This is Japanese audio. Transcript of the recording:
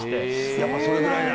やっぱそれぐらいだ。